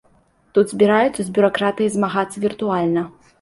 Тут збіраюцца з бюракратыяй змагацца віртуальна.